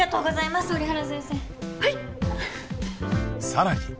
さらに